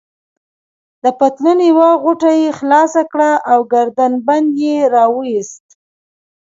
د پتلون یوه غوټه يې خلاصه کړه او ګردن بند يې راوایست.